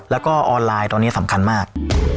แล้วก็ออนไลน์ตอนนี้สำคัญมาก